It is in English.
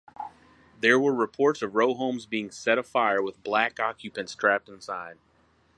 There were reports of row homes being set afire with black occupants trapped inside.